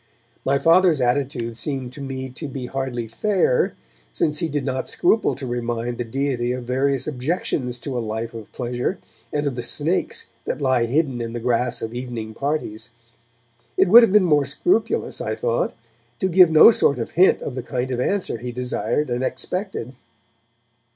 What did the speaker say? My Father's attitude seemed to me to be hardly fair, since he did not scruple to remind the Deity of various objections to a life of pleasure and of the snakes that lie hidden in the grass of evening parties. It would have been more scrupulous, I thought, to give no sort of hint of the kind of answer he desired and expected.